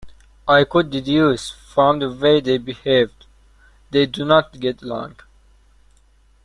I could deduce from the way they behaved, they do not get along.